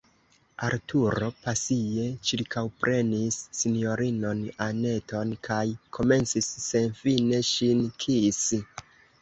Arturo pasie ĉirkaŭprenis sinjorinon Anneton kaj komencis senfine ŝin kisi.